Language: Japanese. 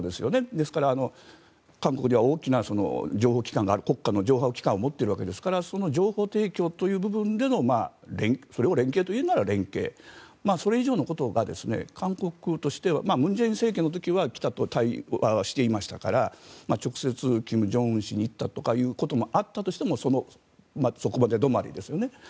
ですから、韓国では大きな情報機関国家の情報機関を持っているわけですからその情報提供という部分でのそれを連携と言うなら連携それ以上のことが韓国として文在寅政権の時は北と対話していましたから直接、金正恩氏に言ったということがあったとしてもそこまでどまりですよね。